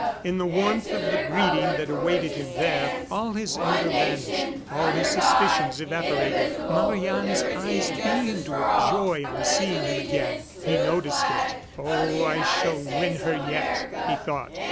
In the warmth of the greeting that awaited him there, all his anger vanished, all his suspicions evaporated. Marie Anne's eyes beamed with joy on seeing him again; he noticed it. "Oh! I shall win her yet!" he thought.